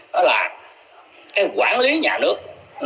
đó là cái quản lý nhà nước